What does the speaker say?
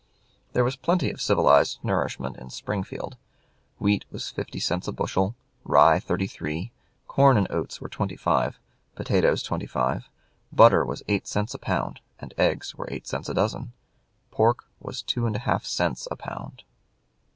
There was plenty of civilized nourishment in Springfield. Wheat was fifty cents a bushel, rye thirty three; corn and oats were twenty five, potatoes twenty five; butter was eight cents a pound, and eggs were eight cents a dozen; pork was two and a half cents a pound.